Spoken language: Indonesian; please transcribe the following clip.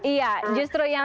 iya justru yang